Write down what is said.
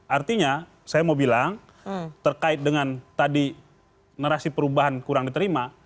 artinya saya mau bilang terkait dengan tadi narasi perubahan kurang diterima